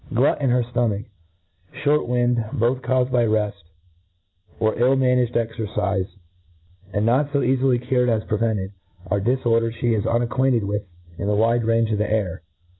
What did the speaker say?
Glut in her. ftomach, and fliort wind, both caufed by refl, or ill managed exercife, and not fo eafily cured as prevented, are diforders flie is unacquainted with in the wide range of the air.